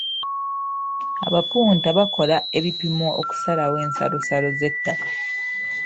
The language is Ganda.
Abapunta bakola ebipimo okusalawo ensalosalo z'ettako.